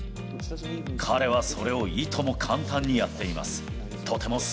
彼はそれをいとも簡単にやっています。